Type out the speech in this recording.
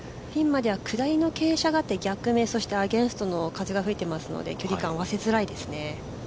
ピンまでは下りの傾斜があって逆目、そしてアゲンストの風が吹いていますので、距離感合わせづらいですね。